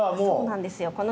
そうなんですよ